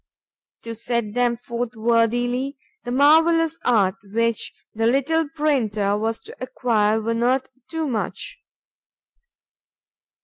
To set them forth worthily, the marvellous art which the little printer was to acquire were not too much.